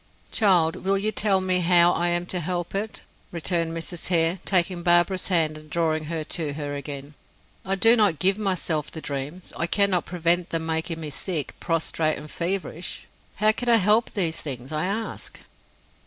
"Child, will you tell me how I am to help it?" returned Mrs. Hare, taking Barbara's hand and drawing her to her again. "I do not give myself the dreams; I cannot prevent their making me sick, prostrate, feverish. How can I help these things, I ask?"